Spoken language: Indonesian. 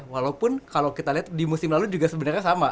walaupun kalau kita lihat di musim lalu juga sebenarnya sama